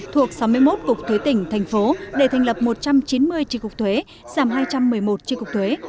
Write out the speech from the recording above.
thuộc sáu mươi một cục thuế tỉnh thành phố để thành lập một trăm chín mươi tri cục thuế giảm hai trăm một mươi một tri cục thuế